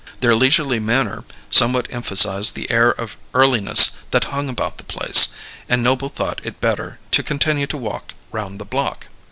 Their leisurely manner somewhat emphasized the air of earliness that hung about the place, and Noble thought it better to continue to walk round the block.